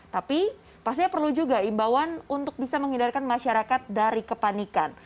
tapi pastinya perlu juga imbauan untuk bisa menghindarkan masyarakat dari kepanikan